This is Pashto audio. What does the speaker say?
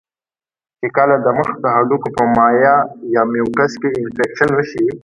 چې کله د مخ د هډوکو پۀ مائع يا ميوکس کې انفکشن اوشي